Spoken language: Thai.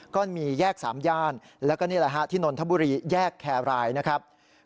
ก็มีแยก๓ย่านแล้วก็นี่แหละฮะที่นนทบุรีแยกแครรายนะครับ